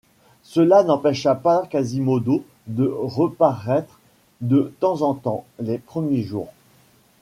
Cela n’empêcha pas Quasimodo de reparaître de temps en temps les premiers jours.